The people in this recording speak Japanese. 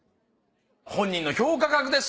本人の評価額です。